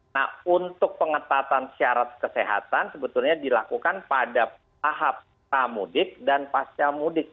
nah untuk pengetatan syarat kesehatan sebetulnya dilakukan pada tahap pramudik dan pasca mudik